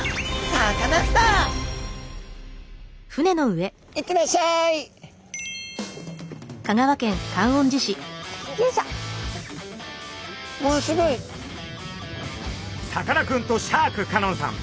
さかなクンとシャーク香音さん